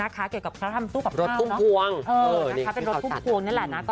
เกี่ยวกับถ้าทำตู้ปลาเป้ารถทุ่มกวง